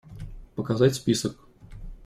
Показать список.